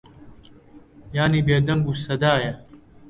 یانی بێدەنگ و سەدایە